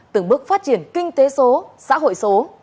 từng bước phát triển kinh tế số xã hội số